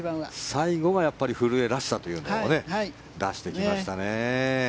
最後は古江らしさというのを出してきましたね。